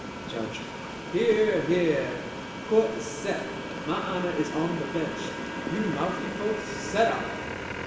JUDGE Hear! Hear! Court is set! My honor is on de bench. You moufy folks set up!